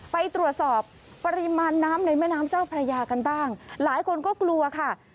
ไปตรวจสอบปริมาณน้ำในแม่น้ำเจ้าพระยากันบ้างหลายคนก็กลัวค่ะ